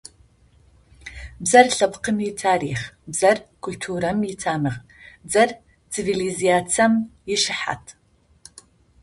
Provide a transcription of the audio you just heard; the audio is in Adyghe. Бзэр – лъэпкъым итарихъ, бзэр культурэм итамыгъ, бзэр цивилизацием ишыхьат.